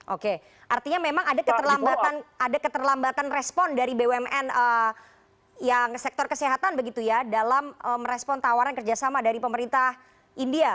oke artinya memang ada keterlambatan respon dari bumn yang sektor kesehatan begitu ya dalam merespon tawaran kerjasama dari pemerintah india